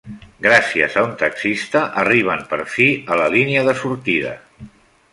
Gràcies a un taxista arriben, per fi, a la línia de sortida.